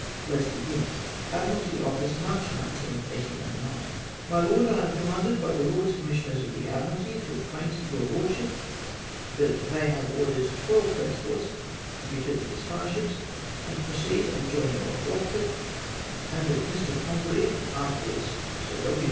" Admiralty Office, March 19th, 1809. *' My Loed, — I am commanded by my Lords Commis sioners of the Admiralty to acquaint your lordship, that they have ordered twelve transports to be fitted as fire ships, and to proceed and join you off Eochefort ; and that Mr. Con greve (afterwards Sir W.